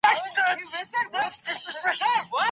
په وزارتونو کي باید مسلکي کسان وي.